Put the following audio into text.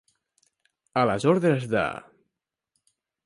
A les ordres de.